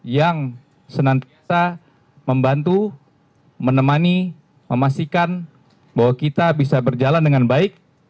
yang senantiasa membantu menemani memastikan bahwa kita bisa berjalan dengan baik